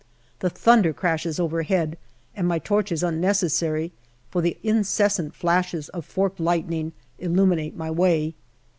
The thunder crashes overhead and my torch is unnecessary, for the incessant flashes of forked lightning illuminate my way.